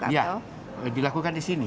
ya dilakukan di sini